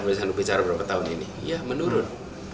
berbicara berapa tahun ini ya menurun